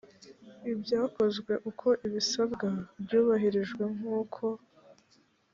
ibyakozwe uko ibisabwa byubahirijwe nk uko